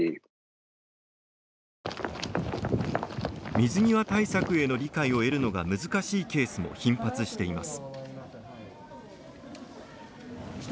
水際対策への理解を得るのが難しいケースも頻発しています。